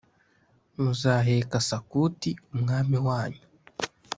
muzaheka Sakuti umwami wanyu,